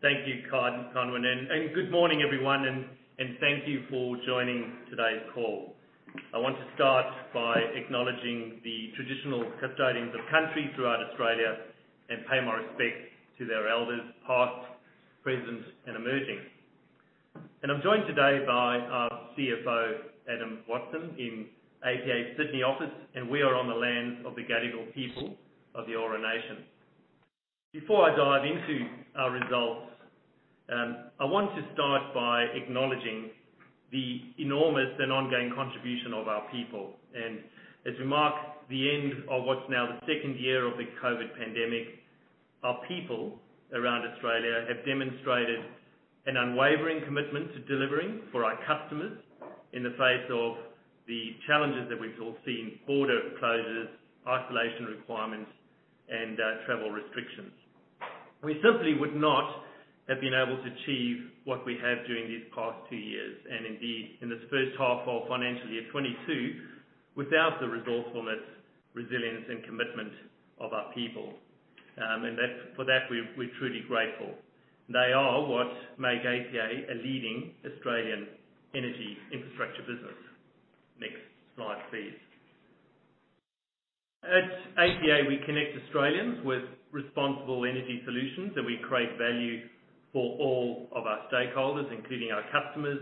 Thank you, Kyle and Conwyn, and good morning, everyone, and thank you for joining today's call. I want to start by acknowledging the traditional custodians of country throughout Australia and pay my respects to their elders, past, present, and emerging. I'm joined today by our CFO, Adam Watson, in APA's Sydney office, and we are on the lands of the Gadigal people of the Eora Nation. Before I dive into our results, I want to start by acknowledging the enormous and ongoing contribution of our people. As we mark the end of what's now the second of the COVID pandemic, our people around Australia have demonstrated an unwavering commitment to delivering for our customers in the face of the challenges that we've all seen: border closures, isolation requirements, and travel restrictions. We simply would not have been able to achieve what we have during these past two years and indeed in this first half of financial year 2022, without the resourcefulness, resilience, and commitment of our people. For that, we're truly grateful. They are what make APA a leading Australian energy infrastructure business. Next slide, please. At APA, we connect Australians with responsible energy solutions, and we create value for all of our stakeholders, including our customers,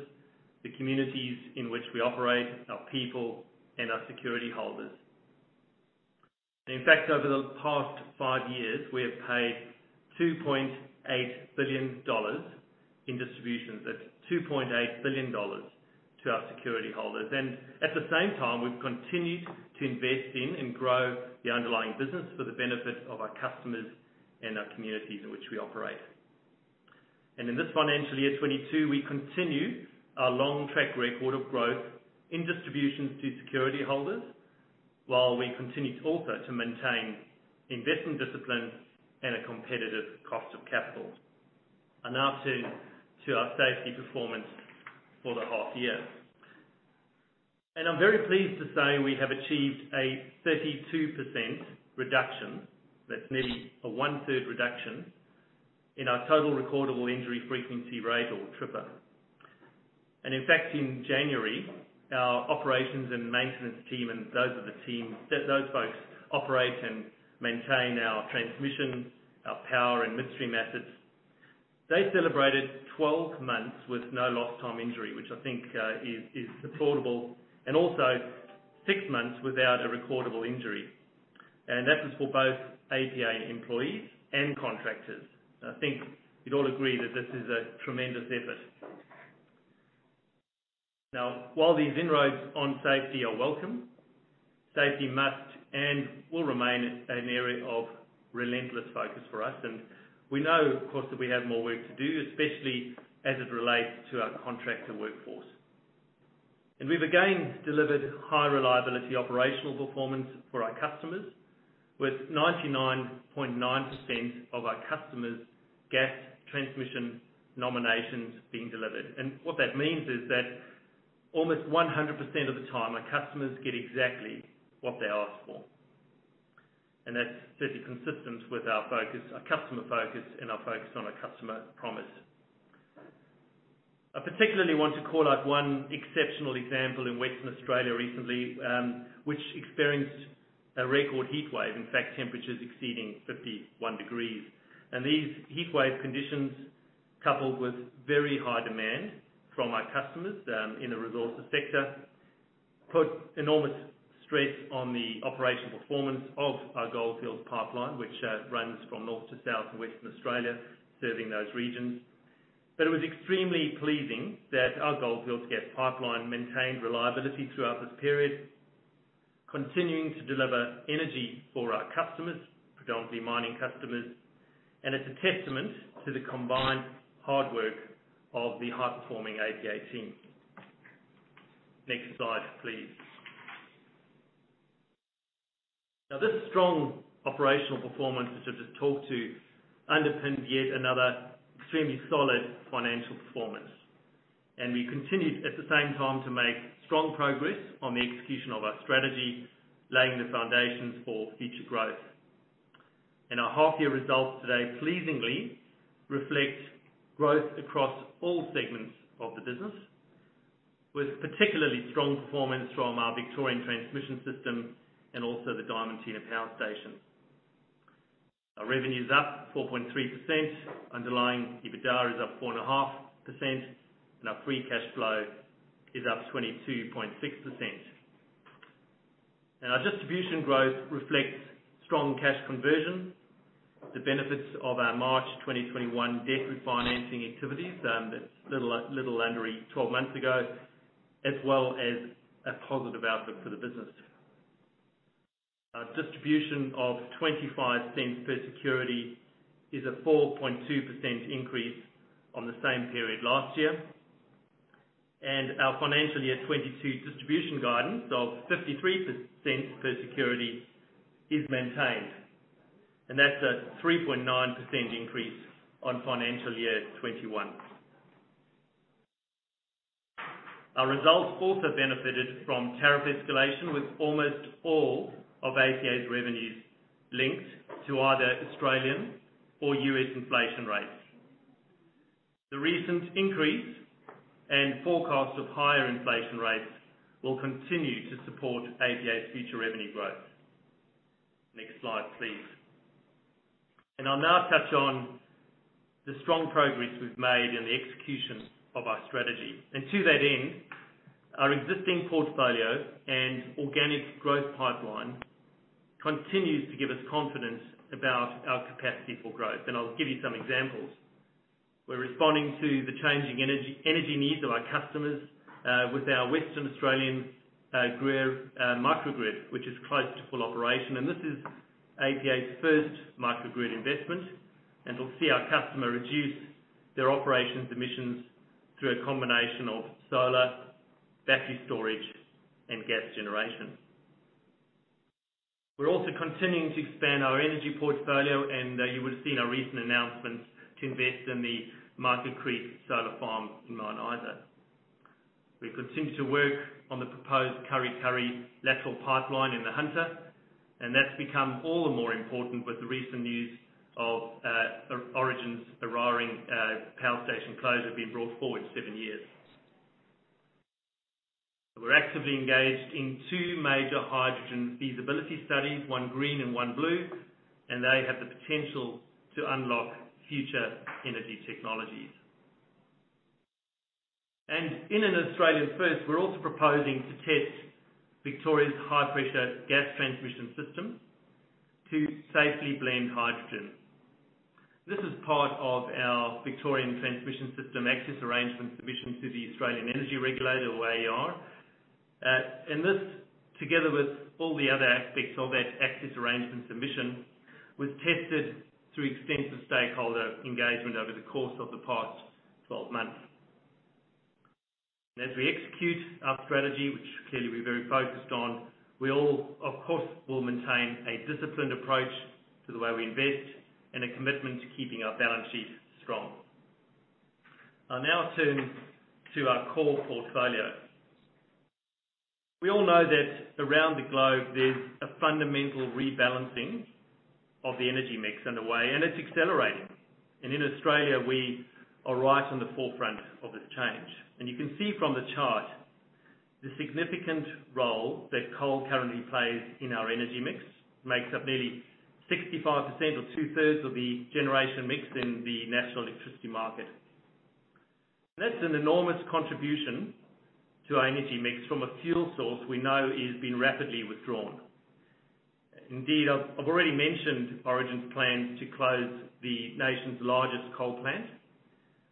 the communities in which we operate, our people, and our security holders. In fact, over the past five years, we have paid 2.8 billion dollars in distributions. That's 2.8 billion dollars to our security holders. At the same time, we've continued to invest in and grow the underlying business for the benefit of our customers and our communities in which we operate. In this financial year 2022, we continue our long track record of growth in distributions to security holders, while we continue to also maintain investment discipline and a competitive cost of capital. Now to our safety performance for the half year. I'm very pleased to say we have achieved a 32% reduction. That's nearly a one-third reduction in our total recordable injury frequency rate or TRIFR. In fact, in January, our operations and maintenance team, and those are the teams that those folks operate and maintain our transmission, our power, and metering methods. They celebrated 12 months with no lost time injury, which I think is supportable, and also 6 months without a recordable injury. That is for both APA employees and contractors. I think you'd all agree that this is a tremendous effort. Now, while these inroads on safety are welcome, safety must and will remain an area of relentless focus for us. We know, of course, that we have more work to do, especially as it relates to our contractor workforce. We've again delivered high reliability operational performance for our customers, with 99.9% of our customers' gas transmission nominations being delivered. What that means is that almost 100% of the time, our customers get exactly what they ask for. That's certainly consistent with our focus, our customer focus and our focus on our customer promise. I particularly want to call out one exceptional example in Western Australia recently, which experienced a record heat wave, in fact, temperatures exceeding 51 degrees. These heat wave conditions, coupled with very high demand from our customers in the resources sector, put enormous stress on the operational performance of our Goldfields Gas Pipeline, which runs from north to south in Western Australia, serving those regions. It was extremely pleasing that our Goldfields Gas Pipeline maintained reliability throughout this period, continuing to deliver energy for our customers, predominantly mining customers. It's a testament to the combined hard work of the high-performing APA team. Next slide, please. This strong operational performance, which I've just talked to, underpinned yet another extremely solid financial performance. We continued, at the same time, to make strong progress on the execution of our strategy, laying the foundations for future growth. Our half year results today pleasingly reflect growth across all segments of the business, with particularly strong performance from our Victorian Transmission System and also the Diamantina Power Station. Our revenue is up 4.3%, underlying EBITDA is up 4.5%, and our free cash flow is up 22.6%. Our distribution growth reflects strong cash conversion, the benefits of our March 2021 debt refinancing activities, that's a little under 12 months ago, as well as a positive outlook for the business. Our distribution of 0.25 per security is a 4.2% increase on the same period last year. Our financial year 2022 distribution guidance of 0.53 per security is maintained. That's a 3.9% increase on financial year 2021. Our results also benefited from tariff escalation with almost all of APA's revenues linked to either Australian or U.S. inflation rates. The recent increase and forecast of higher inflation rates will continue to support APA's future revenue growth. Next slide, please. I'll now touch on the strong progress we've made in the execution of our strategy. To that end, our existing portfolio and organic growth pipeline continues to give us confidence about our capacity for growth. I'll give you some examples. We're responding to the changing energy needs of our customers with our Western Australian Gruyere microgrid, which is close to full operation. This is APA's first microgrid investment, and we'll see our customer reduce their operations emissions through a combination of solar, battery storage, and gas generation. We're also continuing to expand our energy portfolio, and, you would have seen our recent announcements to invest in the Mica Creek Solar Farm in Mount Isa. We continue to work on the proposed Kurri Kurri lateral pipeline in the Hunter, and that's become all the more important with the recent news of Origin's Eraring Power Station closure has been brought forward seven years. We're actively engaged in two major hydrogen feasibility studies, one green and one blue, and they have the potential to unlock future energy technologies. We're also proposing to test Victoria's high-pressure gas transmission system to safely blend hydrogen. This is part of our Victorian Transmission System Access Arrangement submission to the Australian Energy Regulator, or AER. This, together with all the other aspects of that access arrangement submission, was tested through extensive stakeholder engagement over the course of the past 12 months. As we execute our strategy, which clearly we're very focused on, we all, of course, will maintain a disciplined approach to the way we invest and a commitment to keeping our balance sheet strong. I'll now turn to our core portfolio. We all know that around the globe, there's a fundamental rebalancing of the energy mix underway, and it's accelerating. In Australia, we are right on the forefront of this change. You can see from the chart the significant role that coal currently plays in our energy mix, makes up nearly 65% or two-thirds of the generation mix in the National Electricity Market. That's an enormous contribution to our energy mix from a fuel source we know is being rapidly withdrawn. Indeed, I've already mentioned Origin's plan to close the nation's largest coal plant,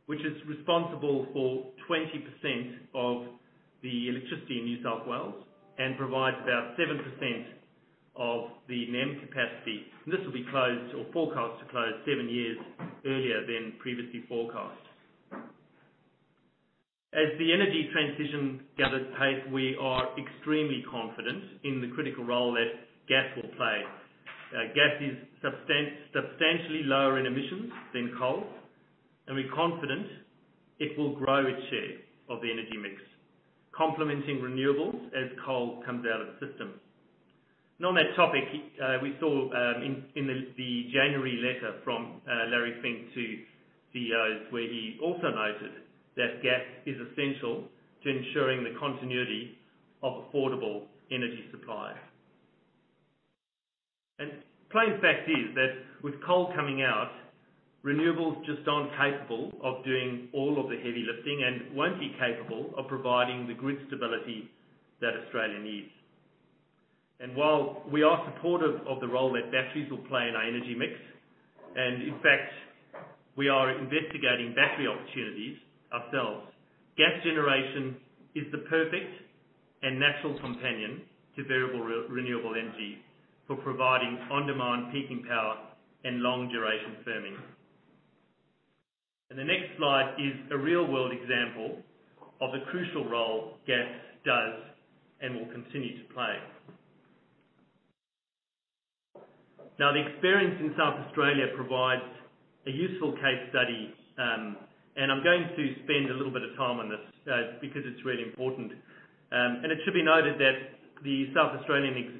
which is responsible for 20% of the electricity in New South Wales and provides about 7% of the NEM capacity. This will be closed or forecast to close seven years earlier than previously forecast. As the energy transition gathers pace, we are extremely confident in the critical role that gas will play. Gas is substantially lower in emissions than coal, and we're confident it will grow its share of the energy mix, complementing renewables as coal comes out of the system. On that topic, we saw in the January letter from Larry Fink to CEOs, where he also noted that gas is essential to ensuring the continuity of affordable energy supply. Plain fact is that with coal coming out, renewables just aren't capable of doing all of the heavy lifting and won't be capable of providing the grid stability that Australia needs. While we are supportive of the role that batteries will play in our energy mix, and in fact, we are investigating battery opportunities ourselves, gas generation is the perfect and natural companion to variable renewable energy for providing on-demand peaking power and long-duration firming. The next slide is a real-world example of the crucial role gas does and will continue to play. Now, the experience in South Australia provides a useful case study, and I'm going to spend a little bit of time on this, because it's really important. It should be noted that the South Australian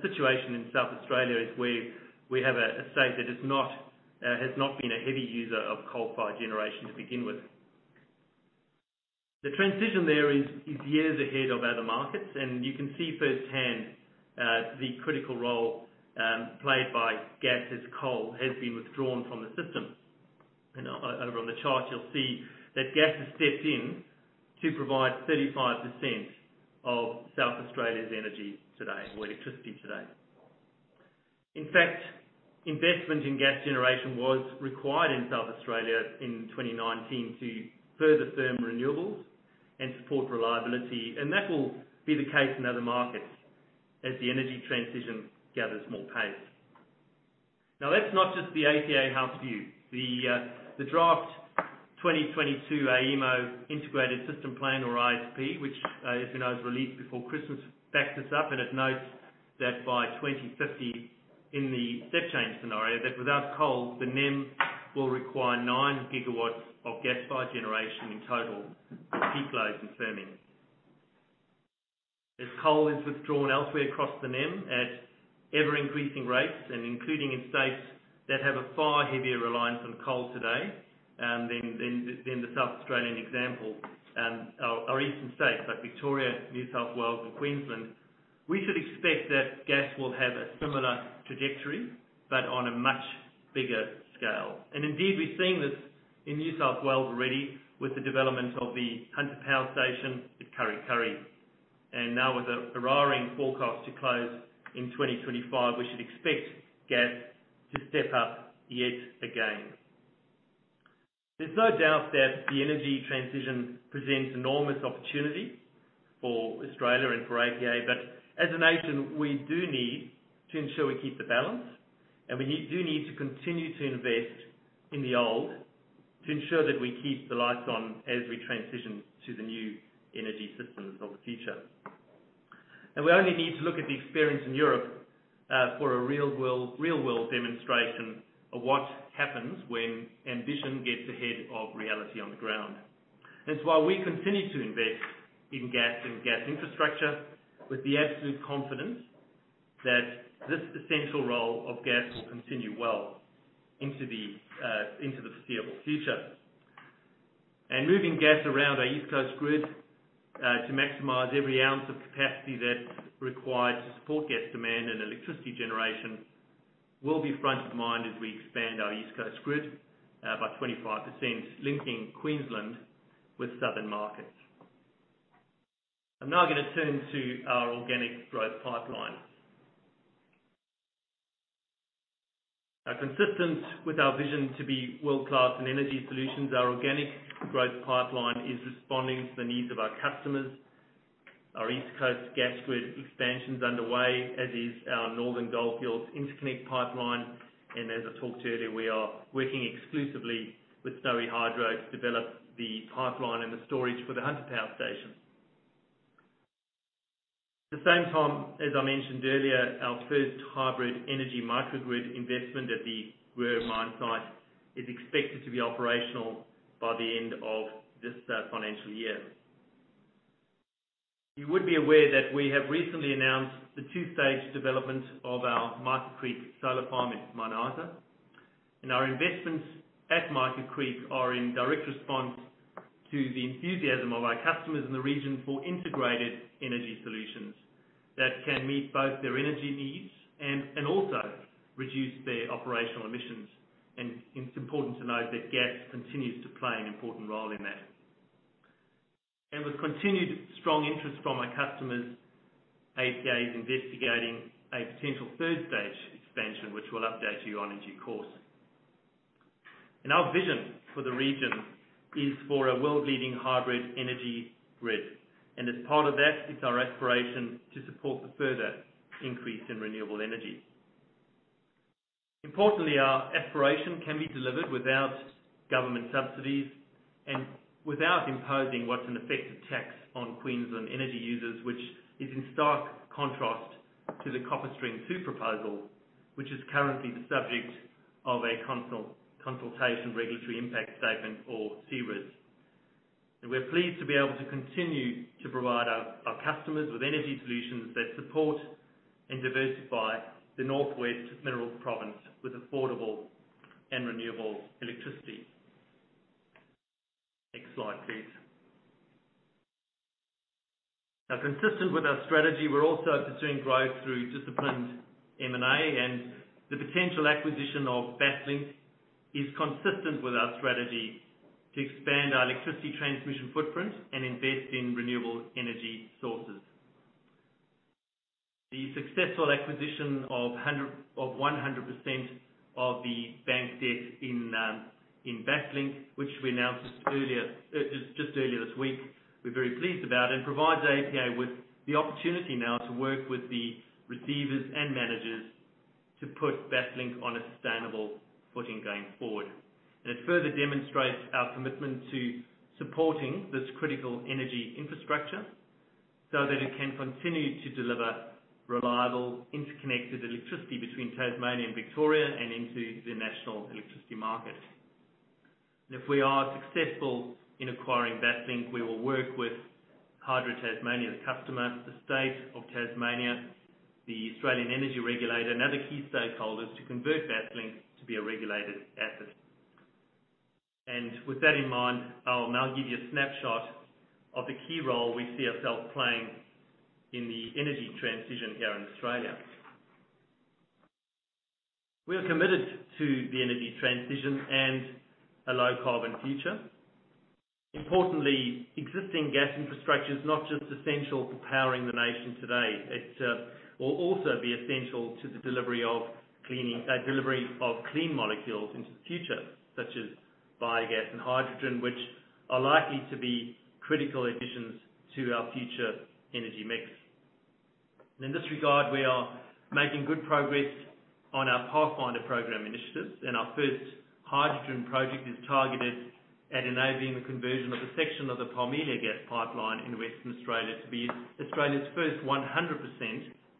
situation in South Australia is where we have a state that has not been a heavy user of coal-fired generation to begin with. The transition there is years ahead of other markets, and you can see firsthand the critical role played by gas as coal has been withdrawn from the system. Over on the chart, you'll see that gas has stepped in to provide 35% of South Australia's energy today or electricity today. In fact, investment in gas generation was required in South Australia in 2019 to further firm renewables and support reliability, and that will be the case in other markets as the energy transition gathers more pace. Now, that's not just the APA house view. The draft 2022 AEMO Integrated System Plan, or ISP, which, as you know, was released before Christmas, backs us up and it notes that by 2050, in the step change scenario, that without coal, the NEM will require 9 GW of gas-fired generation in total to keep lights and firming. As coal is withdrawn elsewhere across the NEM at ever-increasing rates and including in states that have a far heavier reliance on coal today than the South Australian example, our eastern states like Victoria, New South Wales and Queensland, we should expect that gas will have a similar trajectory, but on a much bigger scale. Indeed, we're seeing this in New South Wales already with the development of the Hunter Power Station at Kurri Kurri. Now with Eraring forecast to close in 2025, we should expect gas to step up yet again. There's no doubt that the energy transition presents enormous opportunity for Australia and for APA. As a nation, we do need to ensure we keep the balance, and we need to continue to invest in the old to ensure that we keep the lights on as we transition to the new energy systems of the future. We only need to look at the experience in Europe for a real-world demonstration of what happens when ambition gets ahead of reality on the ground. That's why we continue to invest in gas and gas infrastructure with the absolute confidence that this essential role of gas will continue well into the foreseeable future. Moving gas around our East Coast Grid to maximize every ounce of capacity that's required to support gas demand and electricity generation will be front of mind as we expand our East Coast Grid by 25%, linking Queensland with southern markets. I'm now gonna turn to our organic growth pipeline. Consistent with our vision to be world-class in energy solutions, our organic growth pipeline is responding to the needs of our customers. Our East Coast Gas Grid expansion is underway, as is our Northern Goldfields Interconnect pipeline. As I talked about earlier, we are working exclusively with Snowy Hydro to develop the pipeline and the storage for the Hunter Power Station. At the same time, as I mentioned earlier, our first hybrid energy microgrid investment at the Gruyere mine site is expected to be operational by the end of this financial year. You would be aware that we have recently announced the two-stage development of our Mica Creek Solar Farm at Mount Isa. Our investments at Mica Creek are in direct response to the enthusiasm of our customers in the region for integrated energy solutions that can meet both their energy needs and also reduce their operational emissions. It's important to note that gas continues to play an important role in that. With continued strong interest from our customers, APA is investigating a potential third-stage expansion, which we'll update you on in due course. Our vision for the region is for a world-leading hybrid energy grid, and as part of that, it's our aspiration to support the further increase in renewable energy. Importantly, our aspiration can be delivered without government subsidies and without imposing what's an effective tax on Queensland energy users, which is in stark contrast to the CopperString 2 proposal, which is currently the subject of a consultation regulatory impact statement or CRIS. We're pleased to be able to continue to provide our customers with energy solutions that support and diversify the North West Mineral Province with affordable and renewable electricity. Next slide, please. Now, consistent with our strategy, we're also pursuing growth through disciplined M&A, and the potential acquisition of Basslink is consistent with our strategy to expand our electricity transmission footprint and invest in renewable energy sources. The successful acquisition of 100% of the bank debt in Basslink, which we announced just earlier this week, we're very pleased about. It provides APA with the opportunity now to work with the receivers and managers to put Basslink on a sustainable footing going forward. It further demonstrates our commitment to supporting this critical energy infrastructure so that it can continue to deliver reliable, interconnected electricity between Tasmania and Victoria and into the national electricity market. If we are successful in acquiring Basslink, we will work with Hydro Tasmania, the customer, the State of Tasmania, the Australian Energy Regulator, and other key stakeholders to convert Basslink to be a regulated asset. With that in mind, I'll now give you a snapshot of the key role we see ourselves playing in the energy transition here in Australia. We are committed to the energy transition and a low-carbon future. Importantly, existing gas infrastructure is not just essential for powering the nation today. It will also be essential to the delivery of clean molecules into the future, such as biogas and hydrogen, which are likely to be critical additions to our future energy mix. In this regard, we are making good progress on our Pathfinder Program initiatives and our first hydrogen project is targeted at enabling the conversion of a section of the Parmelia Gas Pipeline in Western Australia to be Australia's first 100%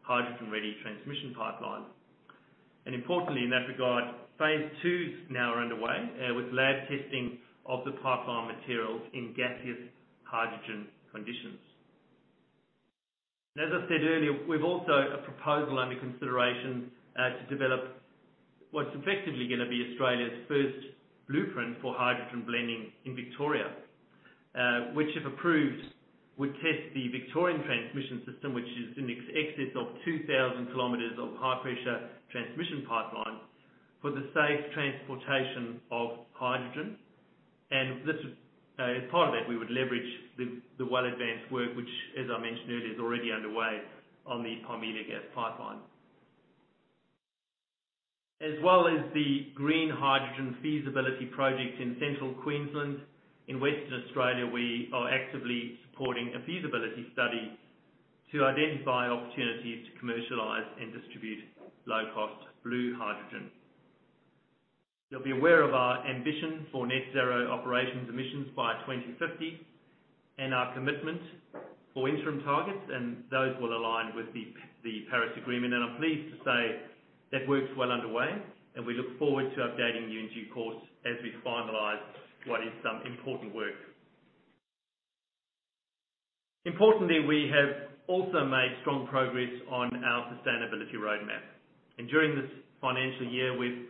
hydrogen-ready transmission pipeline. Importantly, in that regard, phase two's now underway with lab testing of the pipeline materials in gaseous hydrogen conditions. As I said earlier, we've also a proposal under consideration to develop what's effectively gonna be Australia's first blueprint for hydrogen blending in Victoria, which, if approved, would test the Victorian Transmission System, which is in excess of 2,000 kilometers of high pressure transmission pipeline for the safe transportation of hydrogen. This is as part of that, we would leverage the well advanced work, which, as I mentioned earlier, is already underway on the Parmelia Gas Pipeline. As well as the green hydrogen feasibility project in central Queensland, in Western Australia, we are actively supporting a feasibility study to identify opportunities to commercialize and distribute low-cost blue hydrogen. You'll be aware of our ambition for net zero operations emissions by 2050, and our commitment for interim targets, and those will align with the Paris Agreement. I'm pleased to say that work's well underway, and we look forward to updating you in due course as we finalize what is some important work. Importantly, we have also made strong progress on our sustainability roadmap, and during this financial year, we've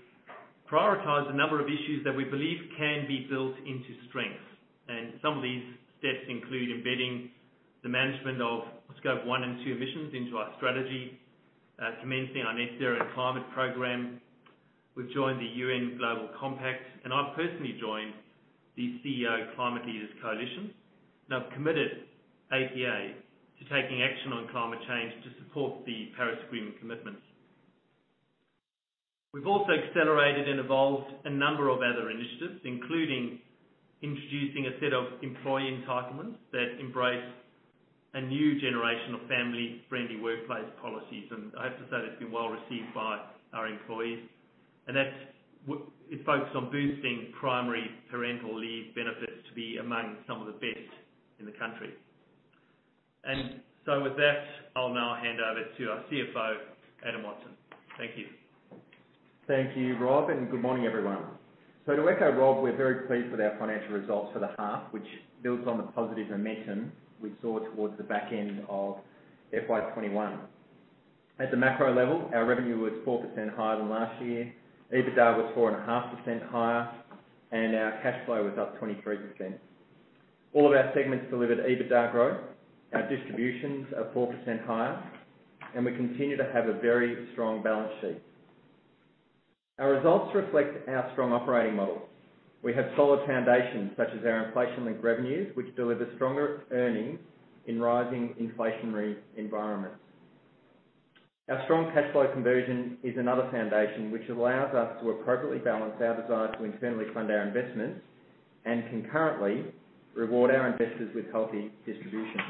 prioritized a number of issues that we believe can be built into strengths. Some of these steps include embedding the management of scope one and two emissions into our strategy, commencing our net zero climate program. We've joined the UN Global Compact, and I've personally joined the Australian Climate Leaders Coalition, and I've committed APA to taking action on climate change to support the Paris Agreement commitments. We've also accelerated and evolved a number of other initiatives, including introducing a set of employee entitlements that embrace a new generation of family-friendly workplace policies. I have to say, it's been well-received by our employees, and that's what it focused on boosting primary parental leave benefits to be among some of the best in the country. With that, I'll now hand over to our CFO, Adam Watson. Thank you. Thank you, Rob, and good morning, everyone. To echo Rob, we're very pleased with our financial results for the half, which builds on the positive momentum we saw towards the back end of FY 2021. At the macro level, our revenue was 4% higher than last year. EBITDA was 4.5% higher, and our cash flow was up 23%. All of our segments delivered EBITDA growth. Our distributions are 4% higher, and we continue to have a very strong balance sheet. Our results reflect our strong operating model. We have solid foundations such as our inflation-linked revenues, which deliver stronger earnings in rising inflationary environments. Our strong cash flow conversion is another foundation which allows us to appropriately balance our desire to internally fund our investments and concurrently reward our investors with healthy distribution.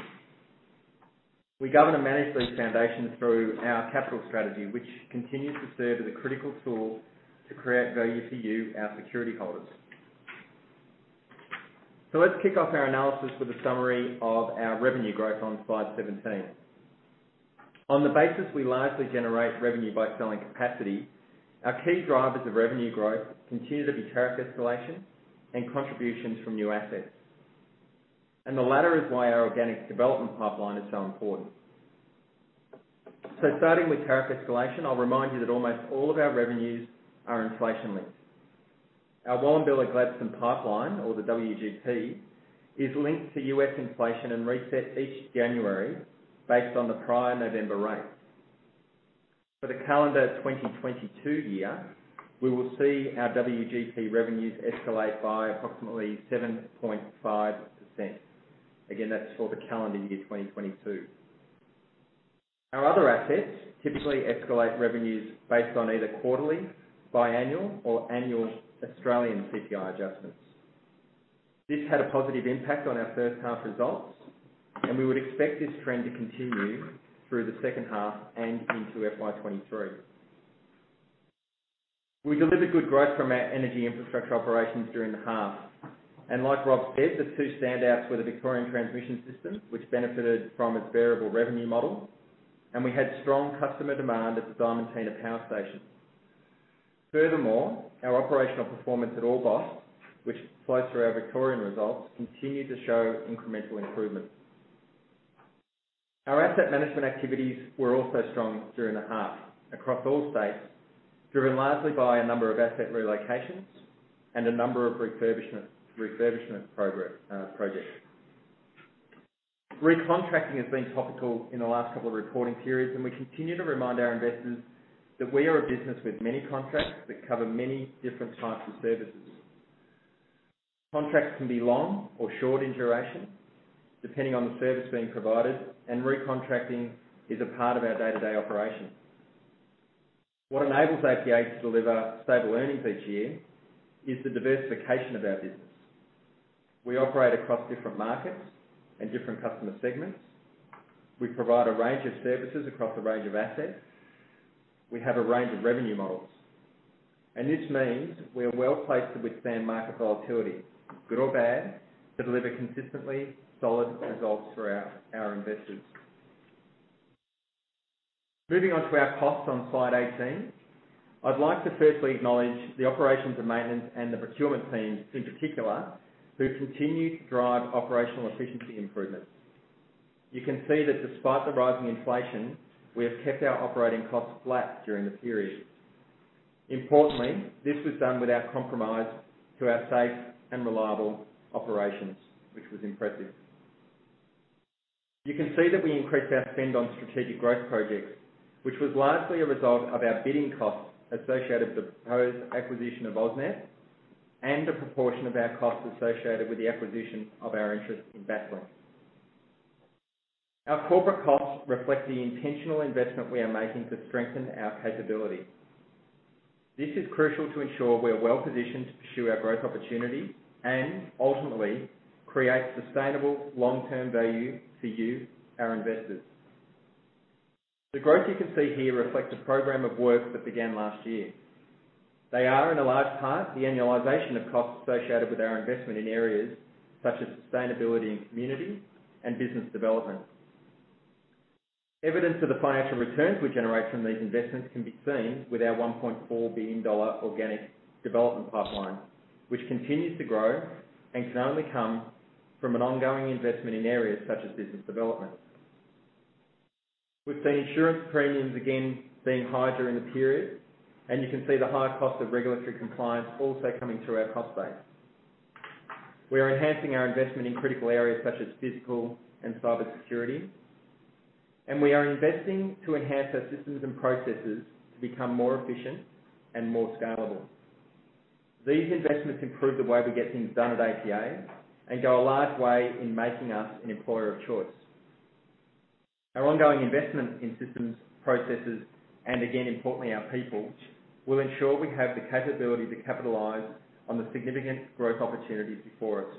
We govern and manage these foundations through our capital strategy, which continues to serve as a critical tool to create value for you, our security holders. Let's kick off our analysis with a summary of our revenue growth on slide 17. On the basis we largely generate revenue by selling capacity, our key drivers of revenue growth continue to be tariff escalation and contributions from new assets. The latter is why our organic development pipeline is so important. Starting with tariff escalation, I'll remind you that almost all of our revenues are inflation-linked. Our Wallumbilla Gladstone Pipeline, or the WGP, is linked to U.S. inflation and reset each January based on the prior November rates. For the calendar 2022 year, we will see our WGP revenues escalate by approximately 7.5%. Again, that's for the calendar year 2022. Our other assets typically escalate revenues based on eitherly, biannual, or annual Australian CPI adjustments. This had a positive impact on our first half results, and we would expect this trend to continue through the second half and into FY 2023. We delivered good growth from our energy infrastructure operations during the half, and like Rob said, the two standouts were the Victorian Transmission System, which benefited from its variable revenue model, and we had strong customer demand at the Diamantina Power Station. Furthermore, our operational performance at Orbost, which flows through our Victorian results, continued to show incremental improvement. Our asset management activities were also strong during the half across all states, driven largely by a number of asset relocations and a number of refurbishment projects. Recontracting has been topical in the last couple of reporting periods, and we continue to remind our investors that we are a business with many contracts that cover many different types of services. Contracts can be long or short in duration, depending on the service being provided, and recontracting is a part of our day-to-day operations. What enables APA to deliver stable earnings each year is the diversification of our business. We operate across different markets and different customer segments. We provide a range of services across a range of assets. We have a range of revenue models, and this means we are well-placed to withstand market volatility, good or bad, to deliver consistently solid results for our investors. Moving on to our costs on slide 18, I'd like to first acknowledge the operations and maintenance and the procurement teams in particular, who continue to drive operational efficiency improvements. You can see that despite the rising inflation, we have kept our operating costs flat during the period. Importantly, this was done without compromise to our safe and reliable operations, which was impressive. You can see that we increased our spend on strategic growth projects, which was largely a result of our bidding costs associated with the proposed acquisition of AusNet and the proportion of our costs associated with the acquisition of our interest in Basslink. Our corporate costs reflect the intentional investment we are making to strengthen our capability. This is crucial to ensure we are well-positioned to pursue our growth opportunities and ultimately create sustainable long-term value for you, our investors. The growth you can see here reflects a program of work that began last year. They are, in a large part, the annualization of costs associated with our investment in areas such as sustainability and community and business development. Evidence of the financial returns we generate from these investments can be seen with our 1.4 billion dollar organic development pipeline, which continues to grow and can only come from an ongoing investment in areas such as business development. We've seen insurance premiums again being higher during the period, and you can see the higher cost of regulatory compliance also coming through our cost base. We are enhancing our investment in critical areas such as physical and cyber security, and we are investing to enhance our systems and processes to become more efficient and more scalable. These investments improve the way we get things done at APA and go a large way in making us an employer of choice. Our ongoing investment in systems, processes, and again, importantly, our people, will ensure we have the capability to capitalize on the significant growth opportunities before us.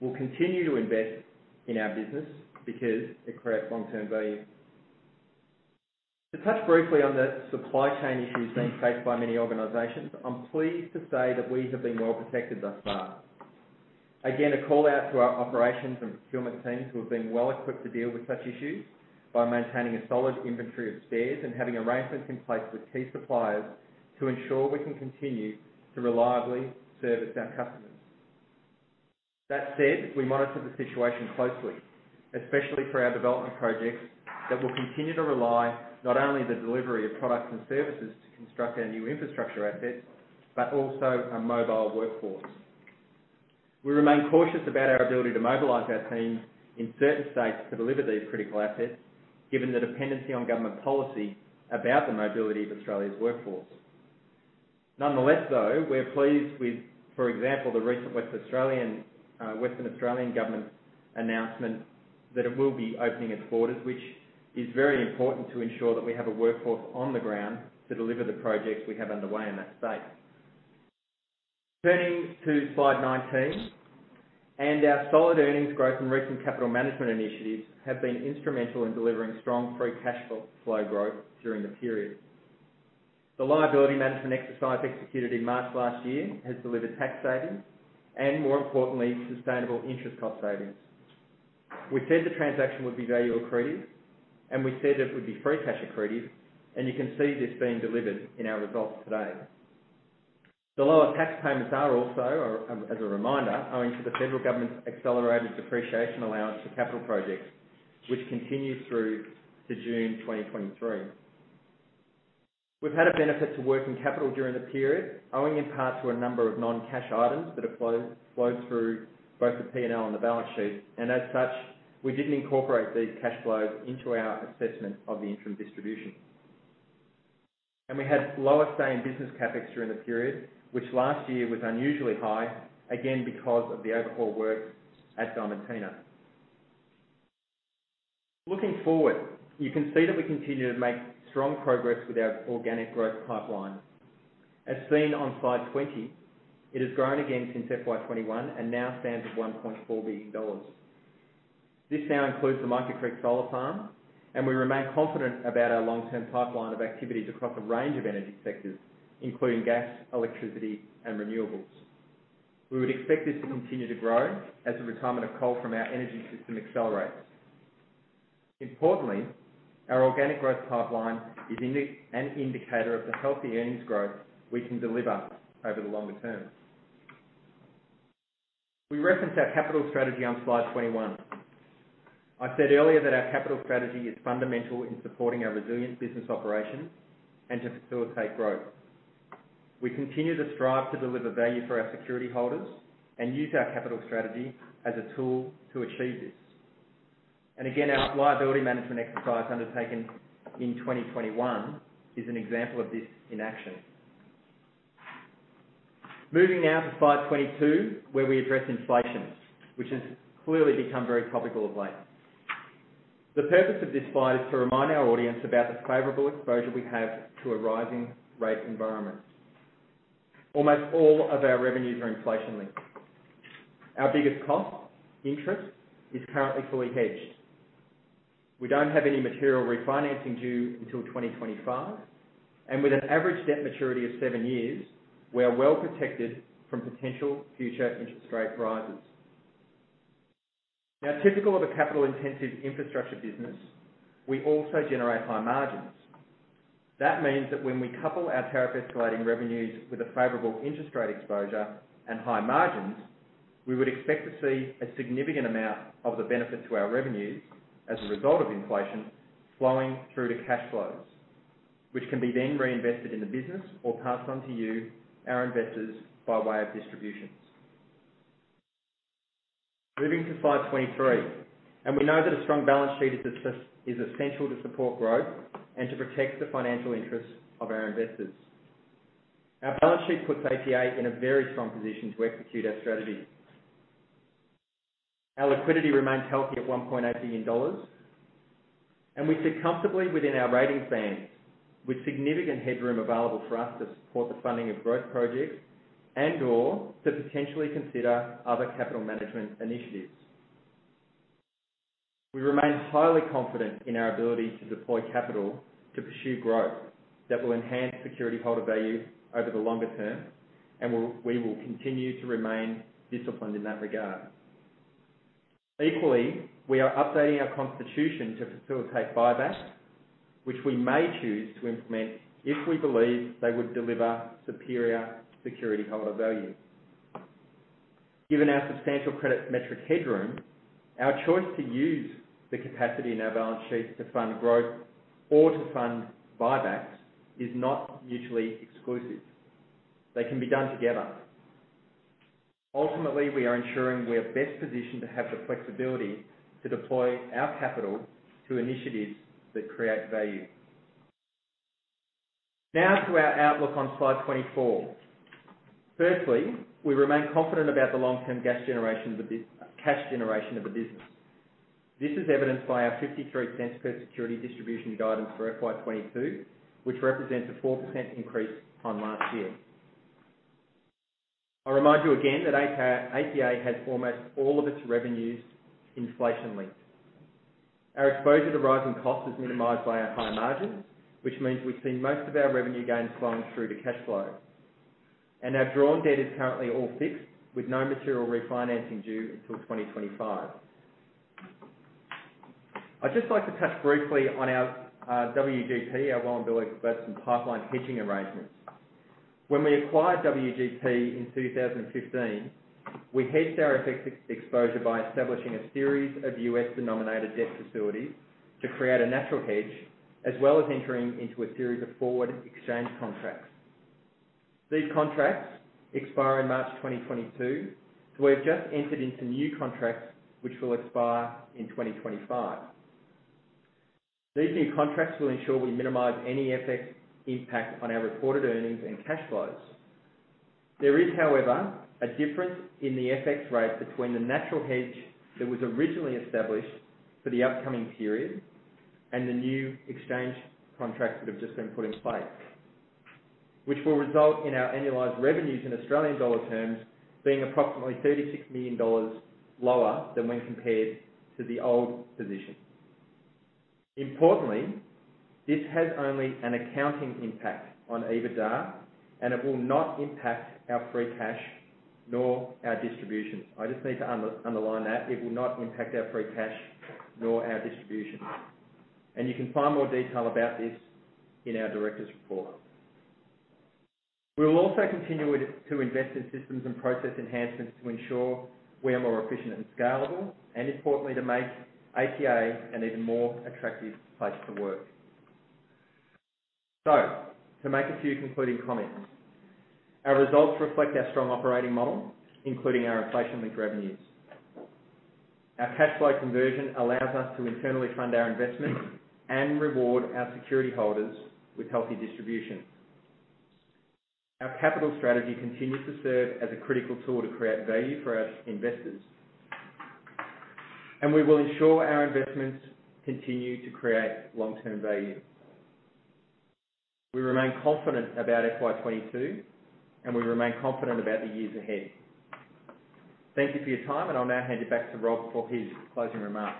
We'll continue to invest in our business because it creates long-term value. To touch briefly on the supply chain issues being faced by many organizations, I'm pleased to say that we have been well protected thus far. Again, a call-out to our operations and procurement teams who have been well equipped to deal with such issues by maintaining a solid inventory of spares and having arrangements in place with key suppliers to ensure we can continue to reliably service our customers. That said, we monitor the situation closely, especially for our development projects that will continue to rely not only on the delivery of products and services to construct our new infrastructure assets, but also our mobile workforce. We remain cautious about our ability to mobilize our teams in certain states to deliver these critical assets, given the dependency on government policy about the mobility of Australia's workforce. Nonetheless, though, we're pleased with, for example, the recent Western Australian government's announcement that it will be opening its borders, which is very important to ensure that we have a workforce on the ground to deliver the projects we have underway in that state. Turning to slide 19, our solid earnings growth and recent capital management initiatives have been instrumental in delivering strong free cash flow growth during the period. The liability management exercise executed in March last year has delivered tax savings and, more importantly, sustainable interest cost savings. We said the transaction would be value accretive, and we said it would be free cash accretive, and you can see this being delivered in our results today. The lower tax payments are also, as a reminder, owing to the federal government's accelerated depreciation allowance for capital projects, which continue through to June 2023. We've had a benefit to working capital during the period, owing in part to a number of non-cash items that have flowed through both the P&L and the balance sheet, and as such, we didn't incorporate these cash flows into our assessment of the interim distribution. We had lower same business CapEx during the period, which last year was unusually high, again, because of the overhaul work at Diamantina. Looking forward, you can see that we continue to make strong progress with our organic growth pipeline. As seen on slide 20, it has grown again since FY 2021 and now stands at 1.4 billion dollars. This now includes the Mica Creek Solar Farm, and we remain confident about our long-term pipeline of activities across a range of energy sectors, including gas, electricity, and renewables. We would expect this to continue to grow as the retirement of coal from our energy system accelerates. Importantly, our organic growth pipeline is an indicator of the healthy earnings growth we can deliver over the longer term. We reference our capital strategy on slide 21. I said earlier that our capital strategy is fundamental in supporting our resilient business operations and to facilitate growth. We continue to strive to deliver value for our security holders and use our capital strategy as a tool to achieve this. Again, our liability management exercise undertaken in 2021 is an example of this in action. Moving now to slide 22, where we address inflation, which has clearly become very topical of late. The purpose of this slide is to remind our audience about the favorable exposure we have to a rising rate environment. Almost all of our revenues are inflation-linked. Our biggest cost, interest, is currently fully hedged. We don't have any material refinancing due until 2025, and with an average debt maturity of seven years, we are well protected from potential future interest rate rises. Now, typical of a capital-intensive infrastructure business, we also generate high margins. That means that when we couple our tariff-escalating revenues with a favorable interest rate exposure and high margins, we would expect to see a significant amount of the benefit to our revenues as a result of inflation flowing through to cash flows, which can be then reinvested in the business or passed on to you, our investors, by way of distributions. Moving to slide 23. We know that a strong balance sheet is essential to support growth and to protect the financial interests of our investors. Our balance sheet puts APA in a very strong position to execute our strategy. Our liquidity remains healthy at 1.8 billion dollars, and we sit comfortably within our rating band, with significant headroom available for us to support the funding of growth projects and/or to potentially consider other capital management initiatives. We remain highly confident in our ability to deploy capital to pursue growth that will enhance security holder value over the longer term, and we will continue to remain disciplined in that regard. Equally, we are updating our constitution to facilitate buybacks, which we may choose to implement if we believe they would deliver superior security holder value. Given our substantial credit metric headroom, our choice to use the capacity in our balance sheet to fund growth or to fund buybacks is not mutually exclusive. They can be done together. Ultimately, we are ensuring we are best positioned to have the flexibility to deploy our capital to initiatives that create value. Now to our outlook on slide 24. Firstly, we remain confident about the long-term cash generation of the business. This is evidenced by our 0.53 per security distribution guidance for FY 2022, which represents a 4% increase on last year. I'll remind you again that APA has almost all of its revenues inflation-linked. Our exposure to rising costs is minimized by our high margins, which means we've seen most of our revenue gains flowing through to cash flow. Our drawn debt is currently all fixed, with no material refinancing due until 2025. I'd just like to touch briefly on our WGP, our Wallumbilla Gladstone Pipeline hedging arrangements. When we acquired WGP in 2015, we hedged our FX exposure by establishing a series of U.S.-denominated debt facilities to create a natural hedge, as well as entering into a series of forward exchange contracts. These contracts expire in March 2022, so we have just entered into new contracts, which will expire in 2025. These new contracts will ensure we minimize any FX impact on our reported earnings and cash flows. There is, however, a difference in the FX rate between the natural hedge that was originally established for the upcoming period and the new exchange contracts that have just been put in place, which will result in our annualized revenues in Australian dollar terms being approximately 36 million dollars lower than when compared to the old position. Importantly, this has only an accounting impact on EBITDA, and it will not impact our free cash nor our distributions. I just need to underline that. It will not impact our free cash nor our distributions. You can find more detail about this in our directors' report. We will also continue to invest in systems and process enhancements to ensure we are more efficient and scalable, and importantly, to make APA an even more attractive place to work. To make a few concluding comments. Our results reflect our strong operating model, including our inflation-linked revenues. Our cash flow conversion allows us to internally fund our investments and reward our security holders with healthy distribution. Our capital strategy continues to serve as a critical tool to create value for our investors. We will ensure our investments continue to create long-term value. We remain confident about FY 2022, and we remain confident about the years ahead. Thank you for your time, and I'll now hand it back to Rob for his closing remarks.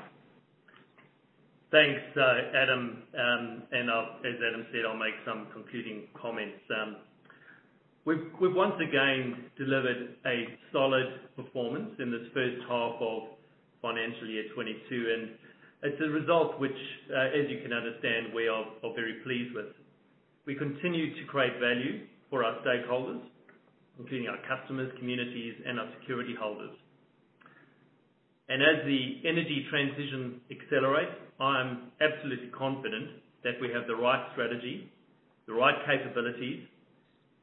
Thanks, Adam. As Adam said, I'll make some concluding comments. We've once again delivered a solid performance in this first half of financial year 2022, and it's a result which, as you can understand, we are very pleased with. We continue to create value for our stakeholders, including our customers, communities, and our security holders. As the energy transition accelerates, I am absolutely confident that we have the right strategy, the right capabilities,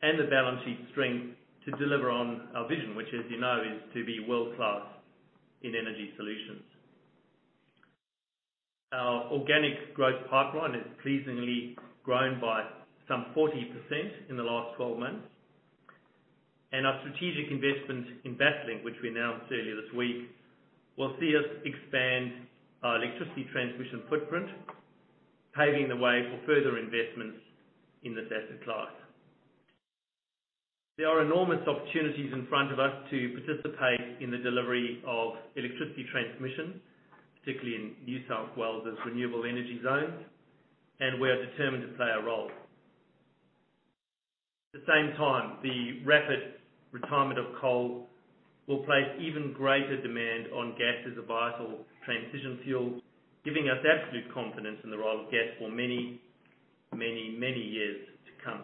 and the balance sheet strength to deliver on our vision, which, as you know, is to be world-class in energy solutions. Our organic growth pipeline has pleasingly grown by some 40% in the last twelve months. Our strategic investment in Basslink, which we announced earlier this week, will see us expand our electricity transmission footprint, paving the way for further investments in this asset class. There are enormous opportunities in front of us to participate in the delivery of electricity transmission, particularly in New South Wales' renewable energy zones, and we are determined to play a role. At the same time, the rapid retirement of coal will place even greater demand on gas as a vital transition fuel, giving us absolute confidence in the role of gas for many, many, many years to come.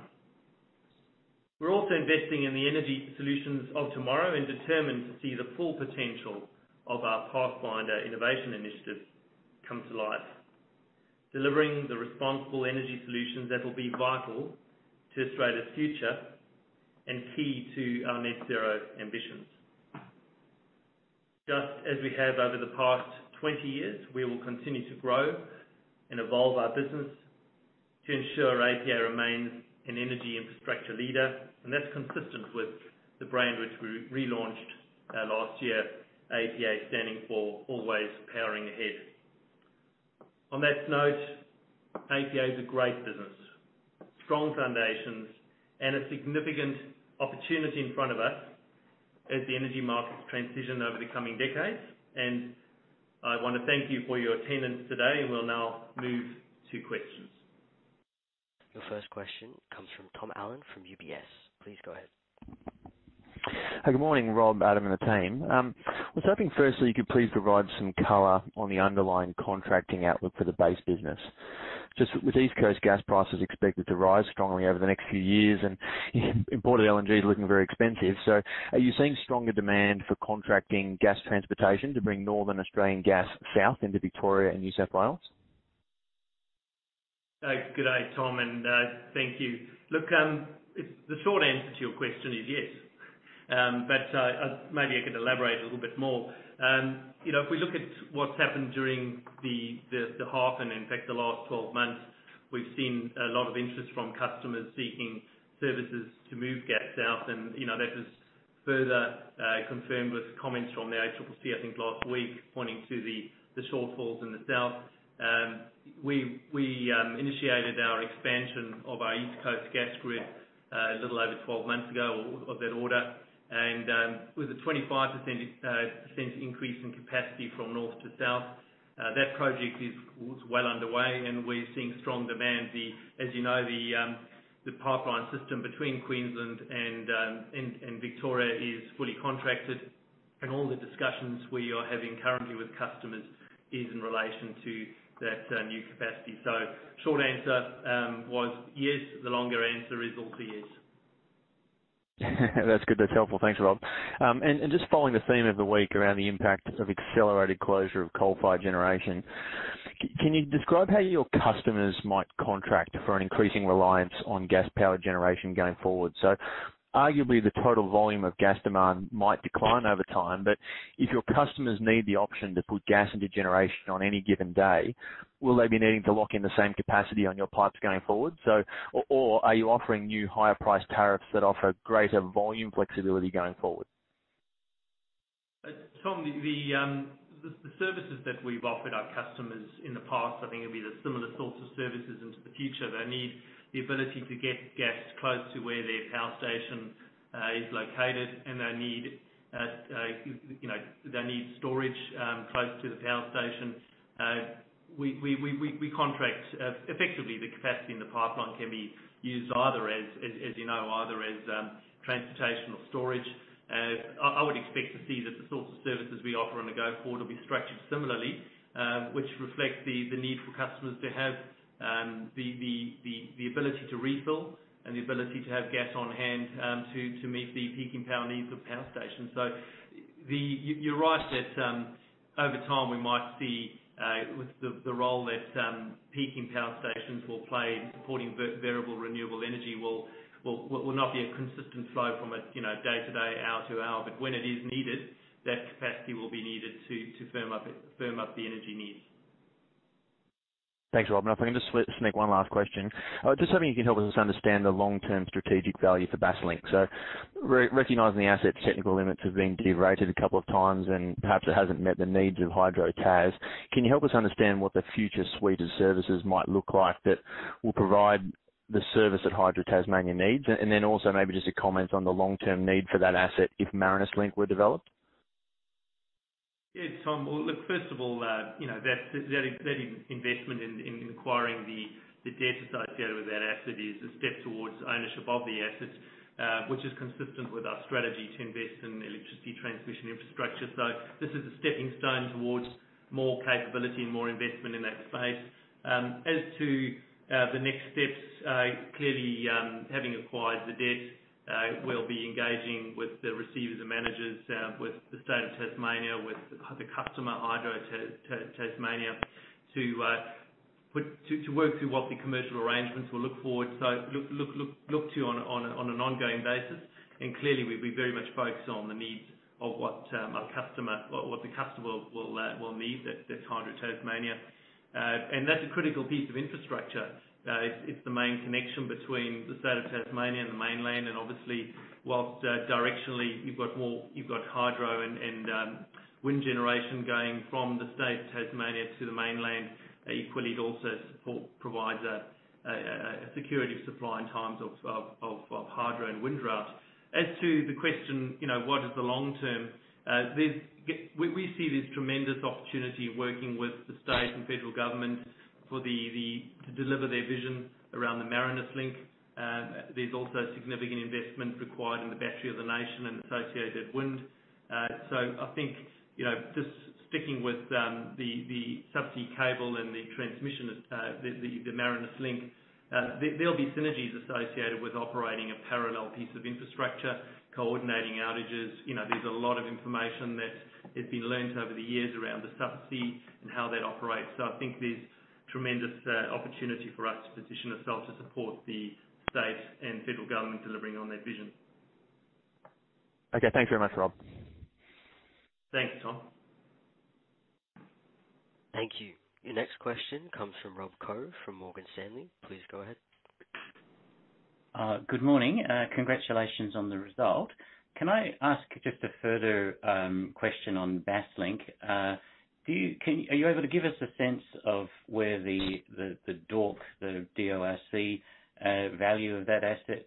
We're also investing in the energy solutions of tomorrow and determined to see the full potential of our Pathfinder innovation initiatives come to life, delivering the responsible energy solutions that will be vital to Australia's future and key to our net zero ambitions. Just as we have over the past 20 years, we will continue to grow and evolve our business to ensure APA remains an energy infrastructure leader, and that's consistent with the brand which we relaunched last year. APA standing for Always Powering Ahead. On that note, APA is a great business. Strong foundations and a significant opportunity in front of us as the energy markets transition over the coming decades. I wanna thank you for your attendance today, and we'll now move to questions. The first question comes from Tom Allen from UBS. Please go ahead. Hi. Good morning, Rob, Adam, and the team. I was hoping firstly, you could please provide some color on the underlying contracting outlook for the base business. Just with East Coast gas prices expected to rise strongly over the next few years and imported LNG is looking very expensive. Are you seeing stronger demand for contracting gas transportation to bring Northern Australian gas south into Victoria and New South Wales? Good day, Tom, and thank you. Look, it's the short answer to your question is yes. Maybe I could elaborate a little bit more. You know, if we look at what's happened during the half and in fact the last 12 months, we've seen a lot of interest from customers seeking services to move gas south and that was further confirmed with comments from the ACCC, I think last week, pointing to the shortfalls in the south. We initiated our expansion of our East Coast Gas Grid a little over 12 months ago of that order and with a 25% increase in capacity from north to south. That project was well underway, and we're seeing strong demand. As you know, the pipeline system between Queensland and Victoria is fully contracted, and all the discussions we are having currently with customers is in relation to that new capacity. Short answer was yes, the longer answer is also yes. That's good. That's helpful. Thanks, Rob. And just following the theme of the week around the impact of accelerated closure of coal-fired generation, can you describe how your customers might contract for an increasing reliance on gas-powered generation going forward? Arguably, the total volume of gas demand might decline over time, but if your customers need the option to put gas into generation on any given day, will they be needing to lock in the same capacity on your pipes going forward? Or are you offering new higher price tariffs that offer greater volume flexibility going forward? Tom, the services that we've offered our customers in the past, I think it'll be the similar sorts of services into the future. They need the ability to get gas close to where their power station is located, and they need, storage close to the power station. We contract, effectively, the capacity in the pipeline can be used either as, transportation or storage. I would expect to see that the sorts of services we offer going forward will be structured similarly, which reflect the need for customers to have the ability to refill and the ability to have gas on-hand to meet the peaking power needs of power stations. You're right that over time, we might see with the role that peaking power stations will play in supporting variable renewable energy will not be a consistent flow from a day to day, hour to hour. When it is needed, that capacity will be needed to firm up the energy needs. Thanks, Rob. Now, if I can just sneak one last question. Just hoping you can help us understand the long-term strategic value for Basslink. Recognizing the asset's technical limits have been derated a couple of times and perhaps it hasn't met the needs of Hydro Tasmania, can you help us understand what the future suite of services might look like that will provide the service that Hydro Tasmania needs? Then also maybe just a comment on the long-term need for that asset if Marinus Link were developed. Yeah, Tom. Well, look, first of all, that investment in acquiring the debt associated with that asset is a step towards ownership of the assets, which is consistent with our strategy to invest in electricity transmission infrastructure. This is a steppingstone towards more capability and more investment in that space. As to the next steps, clearly, having acquired the debt, we'll be engaging with the receivers and managers, with the state of Tasmania, with the customer, Hydro Tasmania, to work through what the commercial arrangements will look like going forward on an ongoing basis. Clearly, we'd be very much focused on the needs of what our customer or what the customer will need at Hydro Tasmania. That's a critical piece of infrastructure. It's the main connection between the state of Tasmania and the mainland. Obviously, whilst directionally, you've got more—you've got hydro and wind generation going from the state of Tasmania to the mainland, equally it also provides a security of supply in times of hydro and wind droughts. As to the question, what is the long term? We see this tremendous opportunity working with the state and federal government to deliver their vision around the Marinus Link. There's also significant investment required in the Battery of the Nation and associated wind. I think, you know, just sticking with the subsea cable and the transmission of the Marinus Link, there'll be synergies associated with operating a parallel piece of infrastructure, coordinating outages. You know, there's a lot of information that has been learned over the years around the subsea and how that operates. I think there's tremendous opportunity for us to position ourselves to support the state and federal government delivering on their vision. Okay. Thanks very much, Rob. Thanks, Tom. Thank you. Your next question comes from Rob from Morgan Stanley. Please go ahead. Good morning. Congratulations on the result. Can I ask just a further question on Basslink? Are you able to give us a sense of where the DORC, the D-O-R-C, value of that asset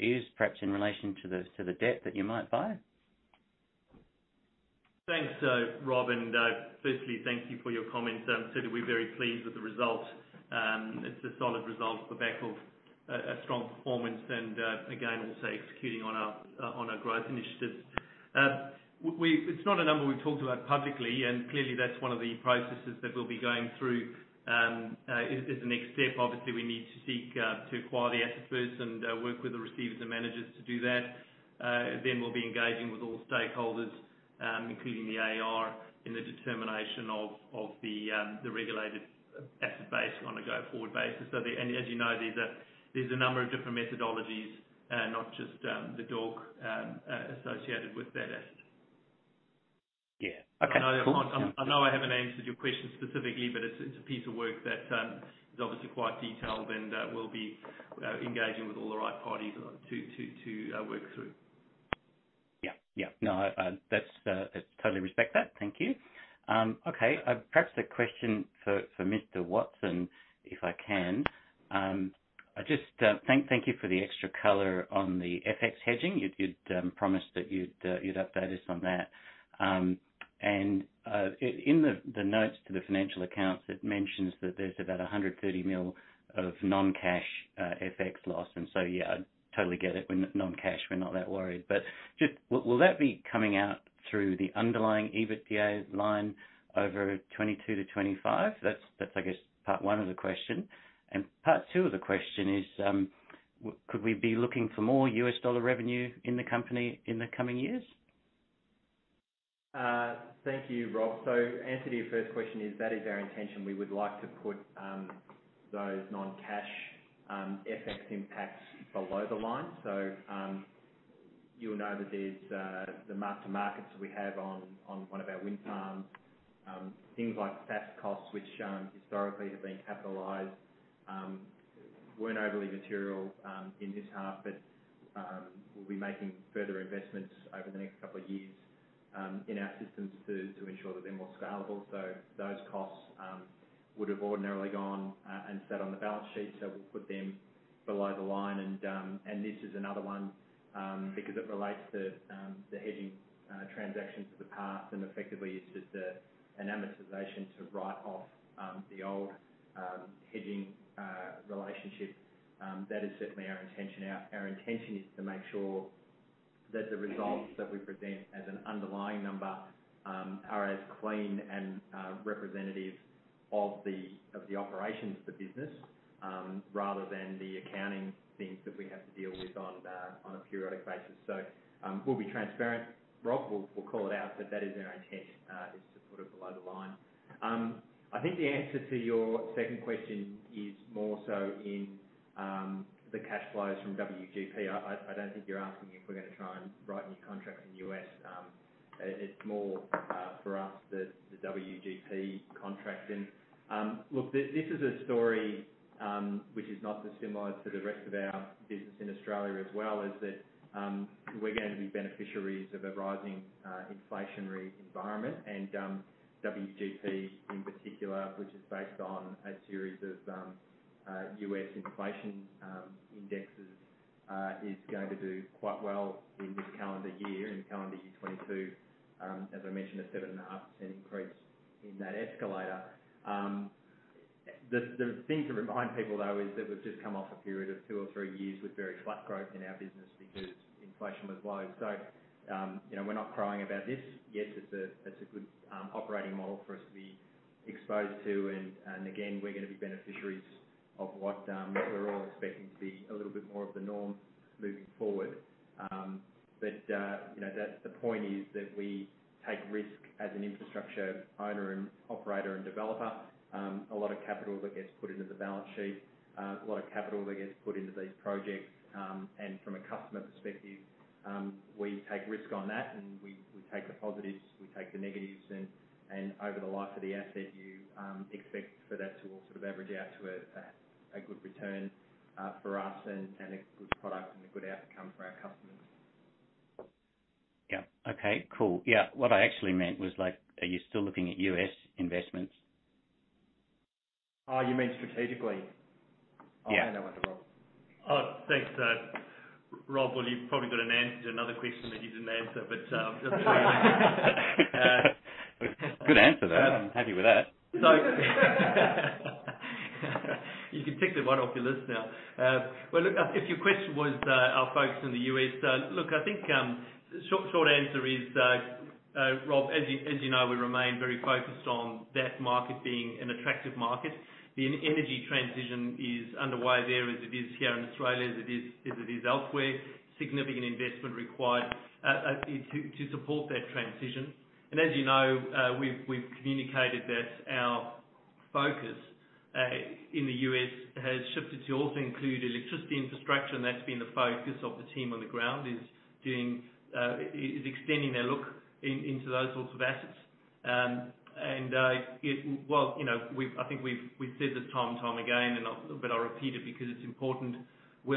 is perhaps in relation to the debt that you might buy? Thanks, Rob. Firstly, thank you for your comments. We're very pleased with the result. It's a solid result for the half, a strong performance and, again, also executing on our growth initiatives. It's not a number we've talked about publicly, and clearly that's one of the processes that we'll be going through as the next step. Obviously, we need to seek to acquire the assets first and work with the receivers and managers to do that. Then we'll be engaging with all stakeholders, including the AER, in the determination of the regulated asset base on a go-forward basis. As you know, there's a number of different methodologies, not just the DORC, associated with that asset. Yeah. Okay. I know I haven't answered your question specifically, but it's a piece of work that is obviously quite detailed, and we'll be engaging with all the right parties on it to work through. No, I totally respect that. Thank you. Okay. Perhaps a question for Mr. Watson, if I can. I just thank you for the extra color on the FX hedging. You'd promised that you'd update us on that. In the notes to the financial accounts, it mentions that there's about 130 million of non-cash FX loss. Yeah, I totally get it. It's non-cash, we're not that worried. Will that be coming out through the underlying EBITDA line over 2022 to 2025? That's, I guess, part one of the question. Part two of the question is, could we be looking for more US dollar revenue in the company in the coming years? Thank you, Rob. The answer to your first question is that is our intention. We would like to put those non-cash FX impacts below the line. You'll know that there's the mark to markets we have on one of our wind farms. Things like SaaS costs, which historically have been capitalized, weren't overly material in this half, but we'll be making further investments over the next couple of years in our systems to ensure that they're more scalable. Those costs would have ordinarily gone and sat on the balance sheet, so we'll put them below the line. This is another one because it relates to the hedging transactions of the past, and effectively it's just an amortization to write off the old hedging relationship. That is certainly our intention. Our intention is to make sure that the results that we present as an underlying number are as clean and representative of the operations of the business rather than the accounting things that we have to deal with on a periodic basis. We'll be transparent, Rob. We'll call it out, but that is our intention to put it below the line. I think the answer to your second question is more so in the cash flows from WGP. I don't think you're asking if we're gonna try and write new contracts in U.S. It's more for us, the WGP contracts. Look, this is a story which is not dissimilar to the rest of our business in Australia as well, that we're going to be beneficiaries of a rising inflationary environment. WGP, in particular, which is based on a series of U.S. inflation indexes, is going to do quite well in this calendar year, in calendar year 2022. As I mentioned, a 7.5% increase in that escalator. The thing to remind people though is that we've just come off a period of two or three years with very flat growth in our business because inflation was low. We're not crying about this. Yes, it's a good operating model for us to be exposed to and again, we're gonna be beneficiaries of what we're all expecting to be a little bit more of the norm moving forward. That's the point is that we take risk as an infrastructure owner and operator and developer. A lot of capital that gets put into the balance sheet, a lot of capital that gets put into these projects, and from a customer perspective, we take risk on that, and we take the positives, we take the negatives, and over the life of the asset, you expect for that to all sort of average out to a good return for us and a good product and a good outcome for our customers. Yeah. Okay, cool. Yeah. What I actually meant was like, are you still looking at U.S. investments? Oh, you mean strategically? Yeah. I hand over to Rob. Oh, thanks. Rob, well, you've probably got an answer to another question that you didn't answer, but, Good answer though. I'm happy with that. You can tick that one off your list now. If your question was our focus in the U.S., I think short answer is, Rob, as you know, we remain very focused on that market being an attractive market. The energy transition is underway there as it is here in Australia, as it is elsewhere. Significant investment is required to support that transition. As you know, we've communicated that our focus in the U.S. has shifted to also include electricity infrastructure, and that's been the focus of the team on the ground, extending their look into those sorts of assets. Well, I think we've said this time and time again, but I'll repeat it because it's important. We